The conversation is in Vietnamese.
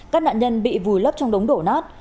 các nạn nhân bị vùi lấp trong đống đổ nát